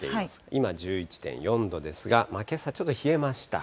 今１１．４度ですが、けさちょっと冷えました。